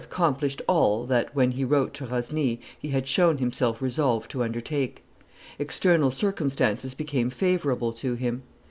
accomplished all that, when he wrote to Rosny, he had showed himself resolved to undertake. External circumstances became favorable to him.